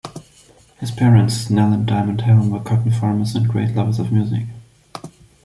His parents, Nell and Diamond Helm, were cotton farmers and great lovers of music.